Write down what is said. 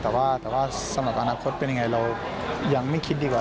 แต่ว่าสำหรับอนาคตเป็นยังไงเรายังไม่คิดดีกว่า